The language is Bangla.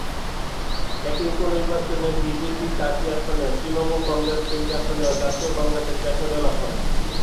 এই উপনির্বাচনে বিজেপি চারটি আসনে, তৃণমূল কংগ্রেস তিনটি আসনে ও জাতীয় কংগ্রেস একটি আসনে জয়লাভ করে।